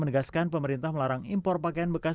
antara lain sekarang yang marah bagian bekas